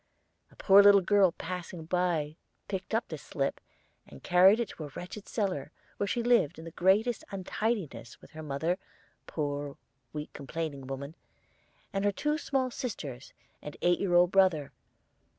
A poor little girl passing by picked up this slip, and carried it to a wretched cellar, where she lived in the greatest untidiness with her mother a poor, weak, complaining woman and her two small sisters and eight year old brother.